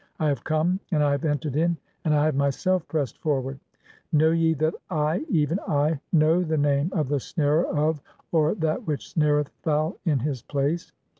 I have come, and I have entered in, and I have myself "pressed forward (?). Know ye that I, even (3o) I, know the "name of the snarer of {or that which snareth) fowl [in] his place?